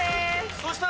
そしたら。